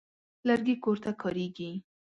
لرګي کور ته کارېږي.